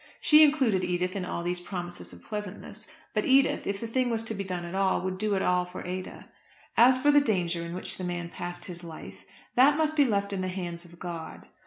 She included Edith in all these promises of pleasantness. But Edith, if the thing was to be done at all, would do it all for Ada. As for the danger in which the man passed his life, that must be left in the hands of God.